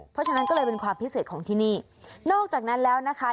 เพราะฉะนั้นก็เลยเป็นความพิเศษของที่นี่นอกจากนั้นแล้วนะคะ